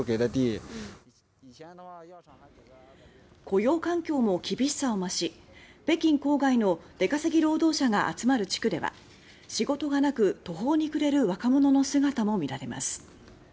雇用環境も厳しさを増し北京郊外の出稼ぎ労働者が集まる地区では仕事がなく途方に暮れる若者の姿もみられます。